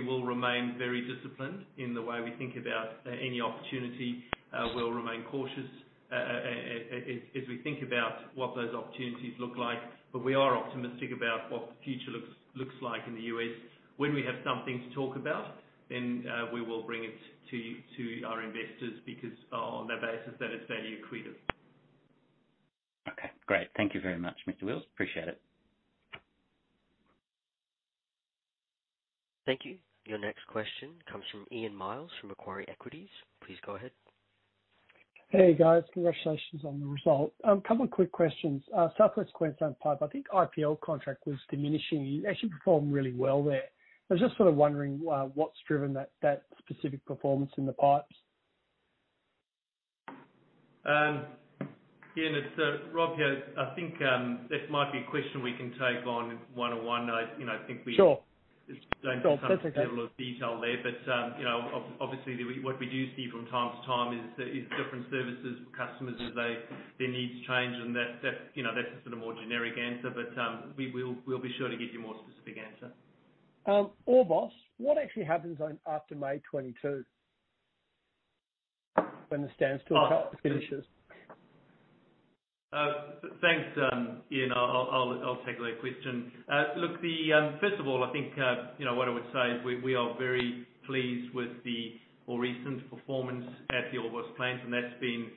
will remain very disciplined in the way we think about any opportunity. We'll remain cautious as we think about what those opportunities look like. We are optimistic about what the future looks like in the U.S. When we have something to talk about, then we will bring it to our investors because on the basis that it's value accretive. Okay, great. Thank you very much, Mr. Wheals. Appreciate it. Thank you. Your next question comes from Ian Myles from Macquarie Equities. Please go ahead. Hey, guys. Congratulations on the result. A couple of quick questions. South West Queensland Pipeline, I think IPL contract was diminishing. You actually performed really well there. I was just sort of wondering what's driven that specific performance in the pipes. Ian Myles, it's Rob Koh here. I think this might be a question we can take on one-on-one. You know, I think we- Sure. It's going to some level of detail there. You know, obviously what we do see from time to time is different services customers as their needs change, and that's, a sort of more generic answer. We'll be sure to give you a more specific answer. Orbost, what actually happens on after May 2022 when the standstill finishes? Thanks, Ian. I'll take that question. Look, first of all, I think you know what I would say is we are very pleased with the more recent performance at the Orbost plant, and that's been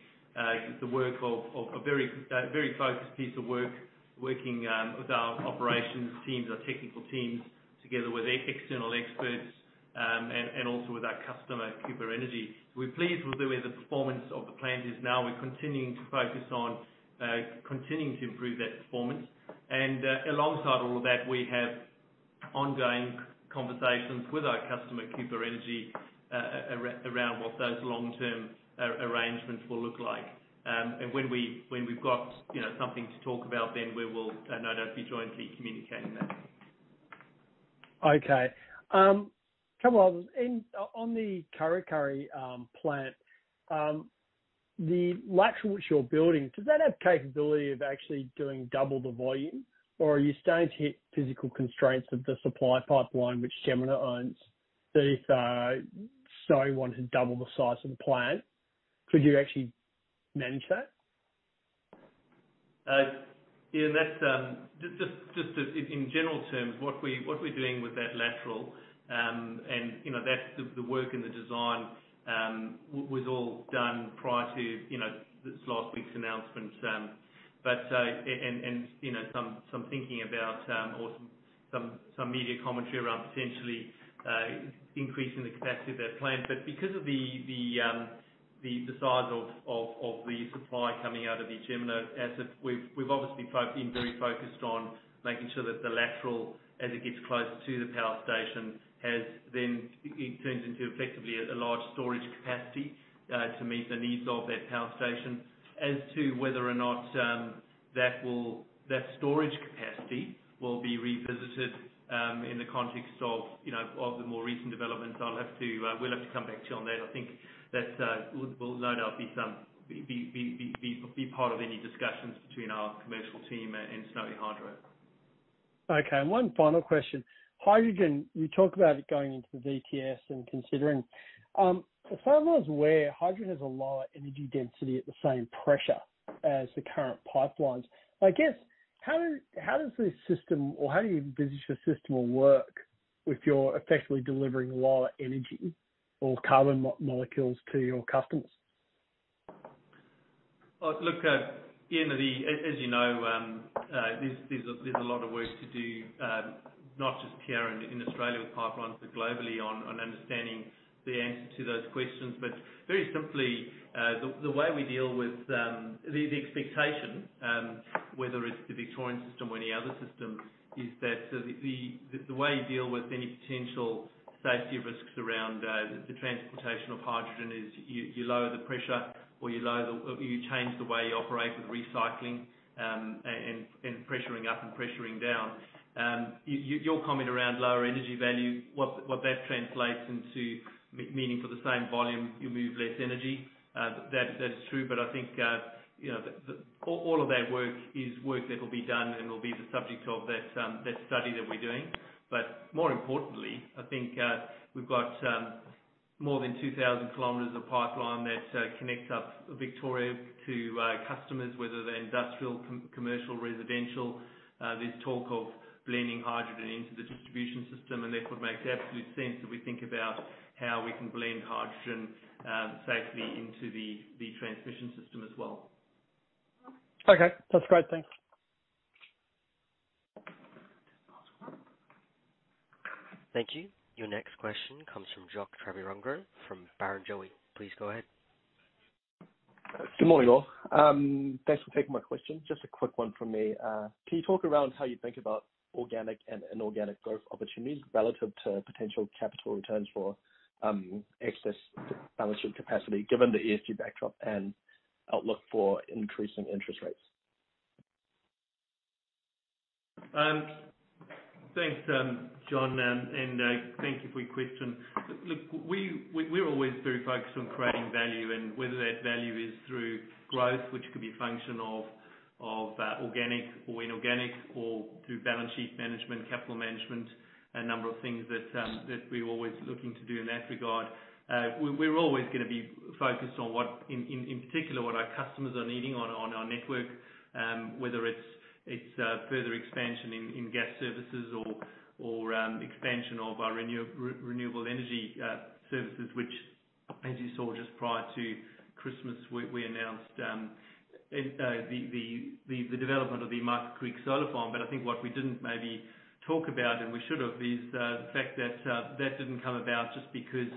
the work of a very focused piece of work, working with our operations teams, our technical teams, together with external experts, and also with our customer, Cooper Energy. We're pleased with the way the performance of the plant is now. We're continuing to focus on continuing to improve that performance. Alongside all of that, we have ongoing conversations with our customer, Cooper Energy, around what those long-term arrangements will look like. When we've got something to talk about, then we will no doubt be jointly communicating that. Okay. Couple others. On the Kurri Kurri plant, the lateral which you're building, does that have capability of actually doing double the volume? Or are you starting to hit physical constraints of the supply pipeline which Jemena owns? If Snowy wanted to double the size of the plant, could you actually manage that? Ian, that's just as in general terms, what we're doing with that lateral, and that's the work and the design was all done prior to this last week's announcement. You know, some media commentary around potentially increasing the capacity of that plant. Because of the size of the supply coming out of the Jemena asset, we've obviously been very focused on making sure that the lateral, as it gets closer to the power station, has then it turns into effectively a large storage capacity to meet the needs of that power station. As to whether or not that storage capacity will be revisited in the context of the more recent developments, I'll have to, we'll have to come back to you on that. I think that we'll no doubt be part of any discussions between our commercial team and Snowy Hydro. Okay. One final question. Hydrogen, you talk about it going into the VTS and considering. As far as I'm aware, hydrogen has a lower energy density at the same pressure as the current pipelines. I guess, how does this system or how do you envisage the system will work if you're effectively delivering lower energy or carbon molecules to your customers? Well, look, Ian, as you know, there's a lot of work to do, not just here in Australia with pipelines, but globally on understanding the answer to those questions. Very simply, the way we deal with the expectation, whether it's the Victorian system or any other systems, is that the way you deal with any potential safety risks around the transportation of hydrogen is you lower the pressure or you lower the. You change the way you operate with recycling and pressuring up and pressuring down. Your comment around lower energy value, what that translates into, meaning for the same volume, you move less energy. That's true, but I think, the. All of that work is work that will be done and will be the subject of that study that we're doing. More importantly, I think, we've got more than 2,000 km of pipeline that connects up Victoria to customers, whether they're industrial, commercial, residential. There's talk of blending hydrogen into the distribution system, and therefore it makes absolute sense that we think about how we can blend hydrogen safely into the transmission system as well. Okay. That's great. Thanks. Thank you. Your next question comes from Jakob Tvaergager from Barrenjoey. Please go ahead. Good morning, all. Thanks for taking my question. Just a quick one from me. Can you talk around how you think about organic and inorganic growth opportunities relative to potential capital returns for excess balance sheet capacity, given the ESG backdrop and outlook for increasing interest rates? Thanks, John, and thank you for your question. Look, we're always very focused on creating value and whether that value is through growth, which could be a function of organic or inorganic or through balance sheet management, capital management, a number of things that we're always looking to do in that regard. We're always gonna be focused on in particular what our customers are needing on our network, whether it's further expansion in gas services or expansion of our renewable energy services, which as you saw just prior to Christmas, we announced the development of the Mica Creek Solar Farm. I think what we didn't maybe talk about, and we should have, is the fact that that didn't come about just because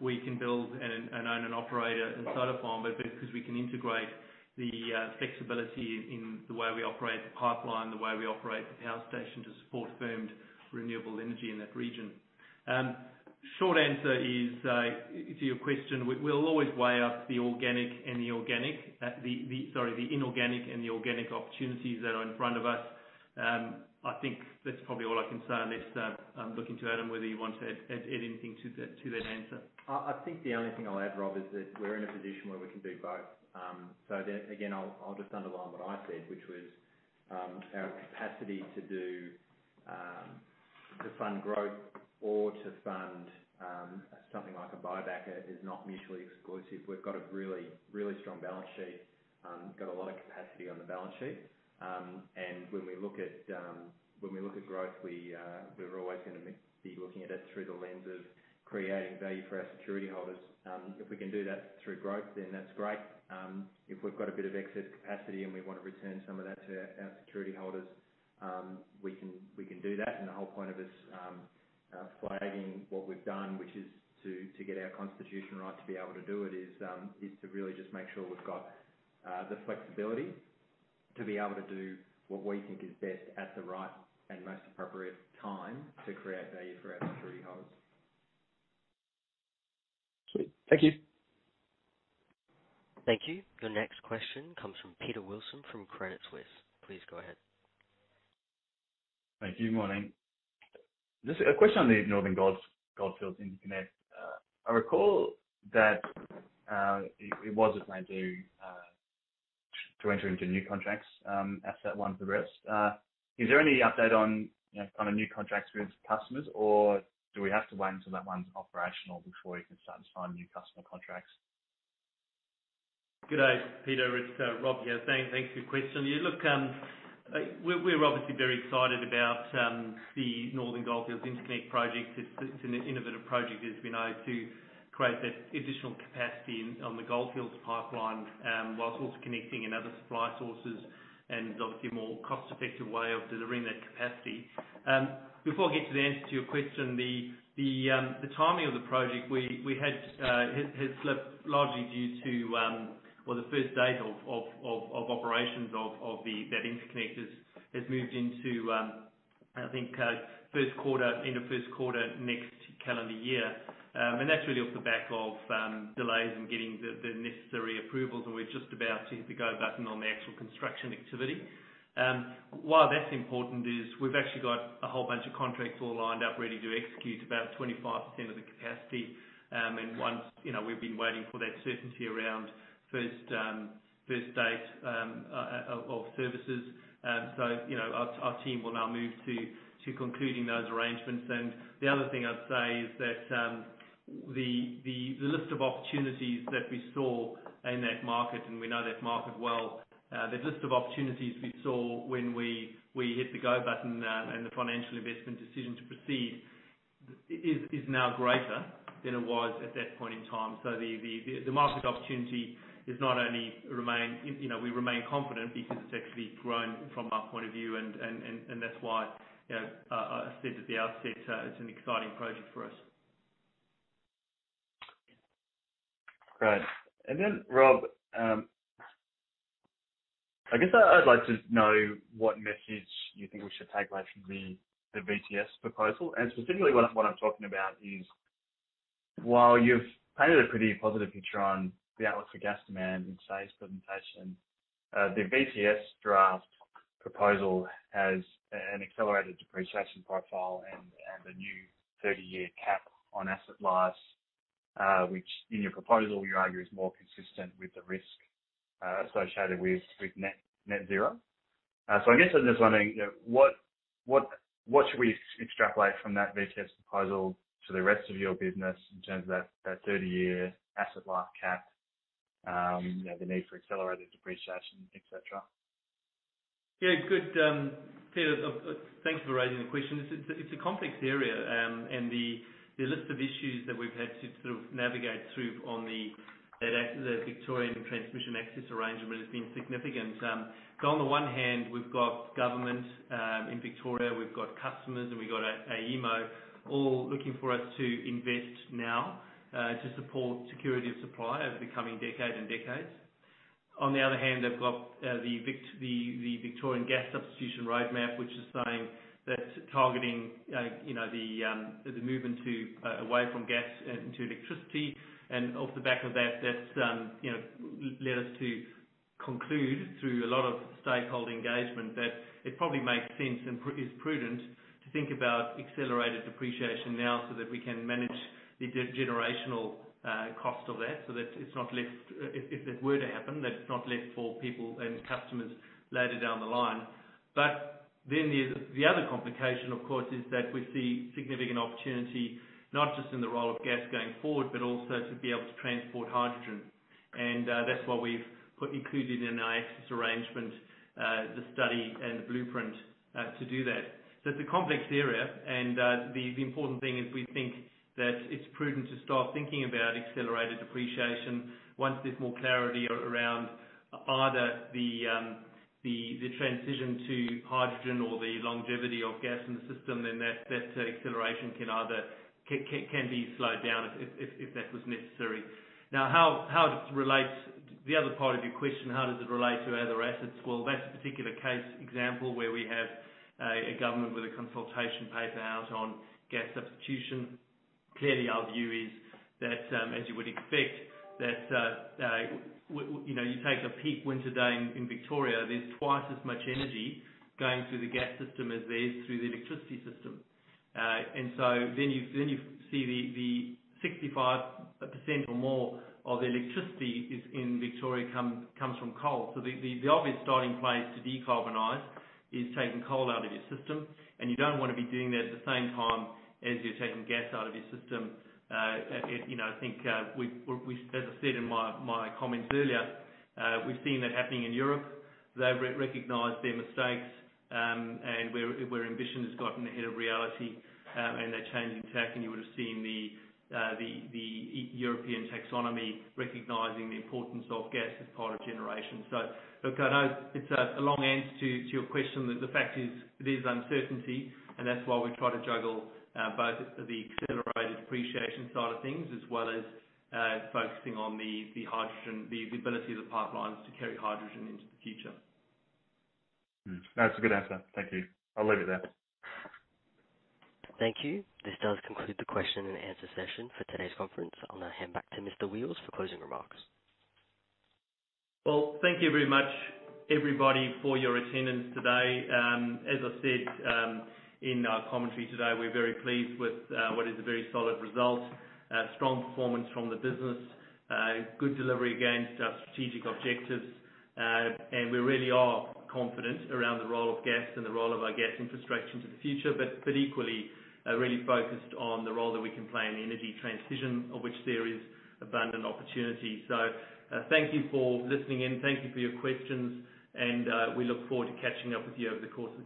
we can build and own and operate a solar farm, but because we can integrate the flexibility in the way we operate the pipeline, the way we operate the power station to support firmed renewable energy in that region. Short answer is, to your question, we'll always weigh up the inorganic and the organic opportunities that are in front of us. I think that's probably all I can say on this. I'm looking to Adam, whether you want to add anything to that answer. I think the only thing I'll add, Rob, is that we're in a position where we can do both. Again, I'll just underline what I said, which was our capacity to fund growth or to fund something like a buyback is not mutually exclusive. We've got a really strong balance sheet, got a lot of capacity on the balance sheet. When we look at growth, we're always gonna be looking at it through the lens of creating value for our security holders. If we can do that through growth, then that's great. If we've got a bit of excess capacity and we want to return some of that to our security holders, we can do that. The whole point of us flagging what we've done, which is to get our constitution right to be able to do it is to really just make sure we've got the flexibility to be able to do what we think is best at the right and most appropriate time to create value for our security holders. Sweet. Thank you. Thank you. Your next question comes from Peter Wilson from Credit Suisse. Please go ahead. Thank you. Morning. Just a question on the Northern Goldfields Interconnect. I recall that it was planned to enter into new contracts after that one's reversed. Is there any update on, new contracts with customers, or do we have to wait until that one's operational before you can start to sign new customer contracts? Good day, Peter. It's Rob here. Thanks for your question. Yeah, look, we're obviously very excited about the Northern Goldfields Interconnect project. It's an innovative project, as we know, to create that additional capacity on the Goldfields Gas Pipeline while also connecting in other supply sources and obviously a more cost-effective way of delivering that capacity. Before I get to the answer to your question, the timing of the project has slipped largely due to well, the first date of operations of that interconnect has moved into I think Q1, end of Q1 next calendar year. That's really off the back of delays in getting the necessary approvals, and we're just about to hit the go button on the actual construction activity. Why that's important is we've actually got a whole bunch of contracts all lined up ready to execute about 25% of the capacity. You know, we've been waiting for that certainty around first date of services. You know, our team will now move to concluding those arrangements. The other thing I'd say is that the list of opportunities that we saw in that market, and we know that market well, the list of opportunities we saw when we hit the go button, and the financial investment decision to proceed is now greater than it was at that point in time. You know, we remain confident because it's actually grown from our point of view, and that's why, I said at the outset, it's an exciting project for us. Great. Rob, I guess I'd like to know what message you think we should take away from the VTS proposal, and specifically what I'm talking about is, while you've painted a pretty positive picture on the outlook for gas demand in today's presentation, the VTS draft proposal has an accelerated depreciation profile and a new 30-year cap on asset lives, which in your proposal, you argue is more consistent with the risk associated with net zero. I guess I'm just wondering, what should we extrapolate from that VTS proposal to the rest of your business in terms of that 30-year asset life cap, the need for accelerated depreciation, et cetera? Yeah, good, Peter, thanks for raising the question. It's a complex area, and the list of issues that we've had to sort of navigate through on the Victorian Transmission Access Arrangement has been significant. On the one hand, we've got government in Victoria, we've got customers, and we've got AEMO, all looking for us to invest now to support security of supply over the coming decade and decades. On the other hand, they've got the Victorian Gas Substitution Roadmap, which is saying that targeting the movement to away from gas and to electricity. Off the back of that's led us to conclude through a lot of stakeholder engagement that it probably makes sense and is prudent to think about accelerated depreciation now so that we can manage the intergenerational cost of that, so that it's not left for people and customers later down the line. There's the other complication, of course, is that we see significant opportunity, not just in the role of gas going forward, but also to be able to transport hydrogen. That's why we've included in our access arrangement the study and the blueprint to do that. It's a complex area, and the important thing is we think that it's prudent to start thinking about accelerated depreciation. Once there's more clarity around either the transition to hydrogen or the longevity of gas in the system, then that acceleration can either be slowed down if that was necessary. Now, how it relates. The other part of your question, how does it relate to other assets? Well, that's a particular case example where we have a government with a consultation paper out on gas substitution. Clearly, our view is that, as you would expect, you take a peak winter day in Victoria, there's twice as much energy going through the gas system as there is through the electricity system. You see the 65% or more of the electricity in Victoria comes from coal. The obvious starting place to decarbonize is taking coal out of your system, and you don't wanna be doing that at the same time as you're taking gas out of your system. You know, I think. As I said in my comments earlier, we've seen that happening in Europe. They've re-recognized their mistakes, and where ambition has gotten ahead of reality, and they're changing tack. You would have seen the EU Taxonomy recognizing the importance of gas as part of generation. Look, I know it's a long answer to your question. The fact is, it is uncertainty, and that's why we try to juggle both the accelerated depreciation side of things as well as focusing on the hydrogen, the ability of the pipelines to carry hydrogen into the future. That's a good answer. Thank you. I'll leave it there. Thank you. This does conclude the question and answer session for today's conference. I'll now hand back to Mr. Wheals for closing remarks. Well, thank you very much, everybody, for your attendance today. As I said, in our commentary today, we're very pleased with what is a very solid result. Strong performance from the business. Good delivery against our strategic objectives. We really are confident around the role of gas and the role of our gas infrastructure into the future. Equally, really focused on the role that we can play in the energy transition, of which there is abundant opportunity. Thank you for listening in. Thank you for your questions and we look forward to catching up with you over the course of the-